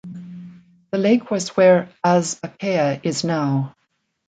The lake was where Azbakeya is now.